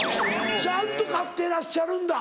ちゃんと飼ってらっしゃるんだ。